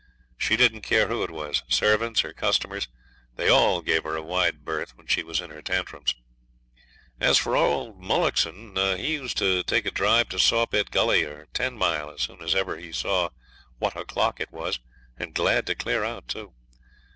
She didn't care who it was servants or customers, they all gave her a wide berth when she was in her tantrums. As for old Mullockson, he used to take a drive to Sawpit Gully or Ten Mile as soon as ever he saw what o'clock it was and glad to clear out, too.